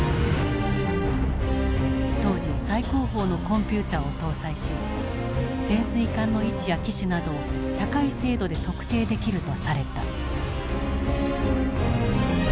当時最高峰のコンピューターを搭載し潜水艦の位置や機種などを高い精度で特定できるとされた。